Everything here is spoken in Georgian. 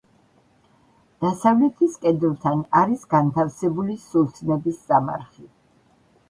დასავლეთის კედელთან არის განთავსებული სულთნების სამარხი.